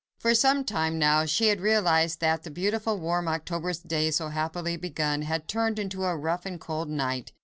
For some time now, she had realised that the beautiful warm October's day, so happily begun, had turned into a rough and cold night.